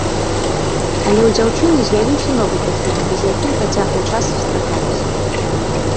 Але ў дзяўчыны з'явіўся новы прыхільнік, з якім працяглы час сустракаліся.